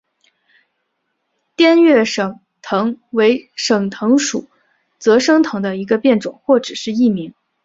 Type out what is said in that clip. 滇越省藤为省藤属泽生藤的一个变种或只是异名。